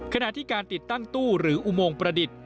ขณะที่การติดตั้งตู้หรืออุโมงประดิษฐ์